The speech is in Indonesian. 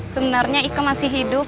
sebenarnya ika masih hidup